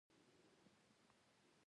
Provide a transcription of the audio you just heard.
پر قبر یوه درنه غونډه جوړه کړه.